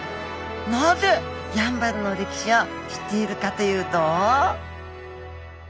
なぜやんばるの歴史を知っているかというと？